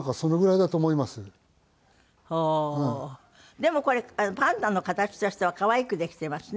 でもこれパンダの形としては可愛くできていますね。